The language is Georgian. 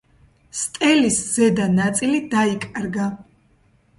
სტელის ზედა ნაწილი დაიკარგა.